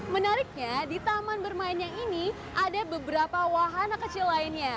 menariknya di taman bermain yang ini ada beberapa wahana kecil lainnya